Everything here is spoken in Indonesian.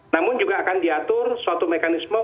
namun juga akan diatur suatu mekanisme